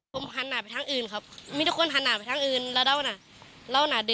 ผมหันหน่าไปทั้งอื่นครับมีแต่คนหันหน่าไปทั้งอื่นแล้วเรานะ